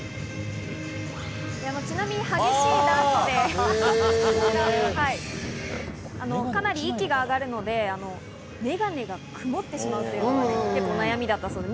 ちなみに激しいダンスでかなり息が上がるのでメガネが曇ってしまうということが悩みだったそうです。